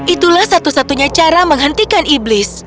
itulah satu satunya cara menghentikan iblis